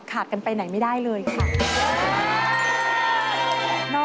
ขาดกันไปไหนไม่ได้เลยค่ะ